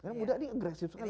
karena muda ini agresif sekali